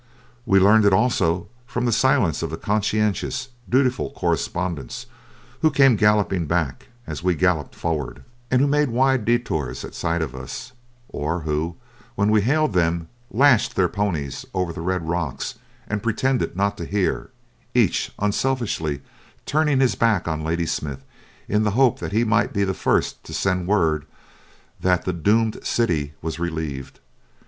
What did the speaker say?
We learned it also from the silence of conscientious, dutiful correspondents, who came galloping back as we galloped forward, and who made wide detours at sight of us, or who, when we hailed them, lashed their ponies over the red rocks and pretended not to hear, each unselfishly turning his back on Ladysmith in the hope that he might be the first to send word that the "Doomed City" was relieved.